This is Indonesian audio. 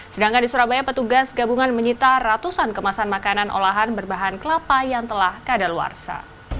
sedangkan di surabaya petugas gabungan menyita ratusan kemasan makanan olahan berbahan kelapa yang telah kadaluarsa